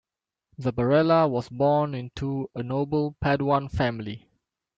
Zabarella was born into a noble Paduan family.